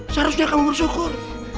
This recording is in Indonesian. seharusnya kamu bersyukur